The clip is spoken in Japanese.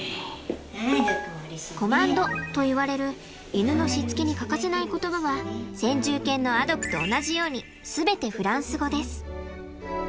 コマンドといわれる犬のしつけに欠かせない言葉は先住犬のアドックと同じように全てフランス語です。